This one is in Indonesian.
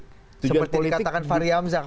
seperti dikatakan fahri hamzah